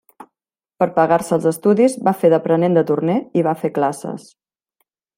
Per pagar-se els estudis va fer d'aprenent de torner i va fer classes.